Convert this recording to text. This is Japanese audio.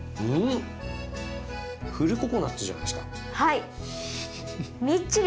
フルココナツじゃないですか。